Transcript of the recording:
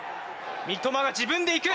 三笘が自分で行く！